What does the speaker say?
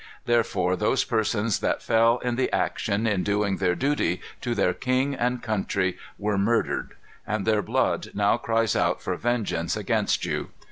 Therefore those persons that fell in the action, in doing their duty to their king and country, were murdered. And their blood now cries out for vengeance against you.